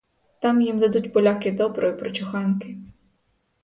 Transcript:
Там їм дадуть поляки доброї прочуханки.